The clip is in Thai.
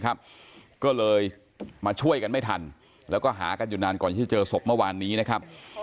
ก็เลยมาช่วยกันไม่ทันแล้วก็หากันอยู่นานก่อนที่จะเจอศพเมื่อวานนี้นะครับ